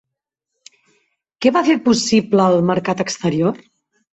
Què va fer possible el mercat exterior?